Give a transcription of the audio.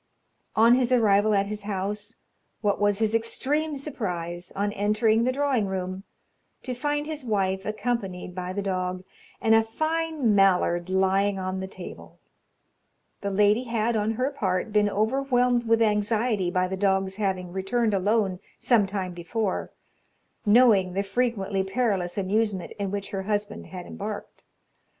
On his arrival at his house, what was his extreme surprise, on entering the drawing room, to find his wife accompanied by the dog, and a fine mallard lying on the table: the lady had, on her part, been overwhelmed with anxiety by the dog's having returned alone some time before, knowing the frequently perilous amusement in which her husband had embarked.